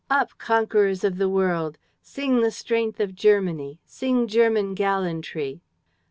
Up, conquerors of the world! Sing the strength of Germany! Sing German gallantry!